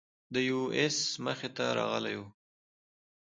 د یو آس مخې ته راغلی و،